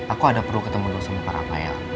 aku ada perlu ketemu dosen pak rafael